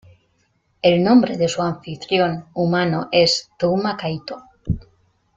El nombre de su anfitrión humano es Touma Kaito.